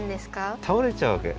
たおれちゃうわけ。